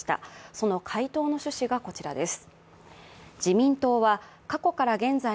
その回答の趣旨がこちらです。